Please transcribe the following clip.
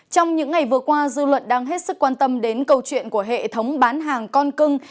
trong những ngày vừa qua dư luận đang hết sức quan tâm đến câu chuyện của hệ thống bán hàng con cưng